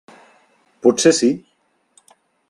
Potser sí!